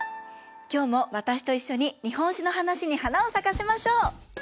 今日も私と一緒に日本史の話に花を咲かせましょう。